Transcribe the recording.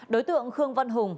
đối tượng khương văn hùng